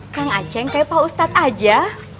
kan acheng kayak pak ustadz aja